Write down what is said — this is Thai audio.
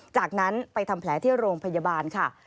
จากนั้นไปทำแผลที่โรงพยาบาลค่ะ